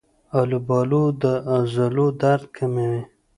آلوبالو د عضلو درد کموي.